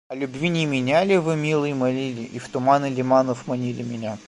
О любви не меня ли вы, милый, молили, и в туманы лиманов манили меня?